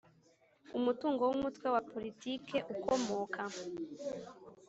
Umutungo w umutwe wa politiki ukomoka